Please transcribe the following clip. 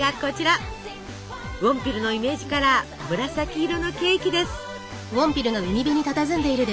ウォンピルのイメージカラー紫色のケーキです。